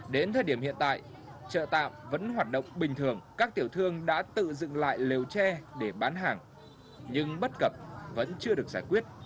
đến thời điểm hiện tại chợ tạm vẫn hoạt động bình thường các tiểu thương đã tự dựng lại lều tre để bán hàng nhưng bất cập vẫn chưa được giải quyết